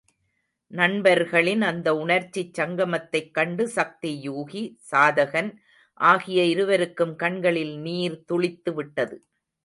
நண்பர்களின் அந்த உணர்ச்சிச் சங்கமத்தைக் கண்டு சக்தி யூதி, சாதகன் ஆகிய இருவருக்கும் கண்களில் நீர் துளித்துவிட்டது.